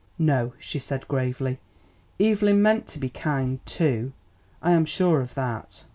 "No," she said gravely. "Evelyn meant to be kind, too; I am sure of that."